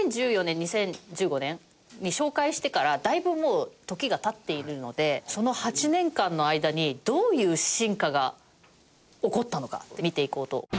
２０１４年２０１５年に紹介してからだいぶ時が経っているのでその８年間の間にどういう進化が起こったのか見ていこうと。